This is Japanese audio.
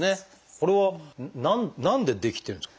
これは何で出来てるんですか？